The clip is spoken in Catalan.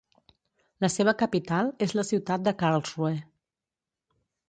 La seva capital és la ciutat de Karlsruhe.